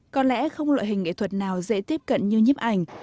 có lẽ không loại hình nghệ thuật nào dễ tiếp cận như nhấp ảnh